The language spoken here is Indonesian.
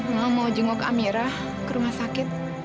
mama mau jengok amirah ke rumah sakit